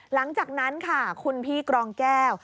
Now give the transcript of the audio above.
หลังจากนั้นค่ะคุณพี่กรองแก้ว